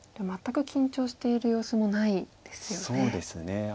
全く緊張してる様子もないですよね。